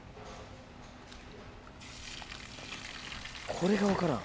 これが分からん。